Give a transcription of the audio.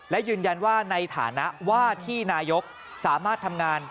และยืนยันว่าในฐานะว่าที่นายกสามารถทำงาน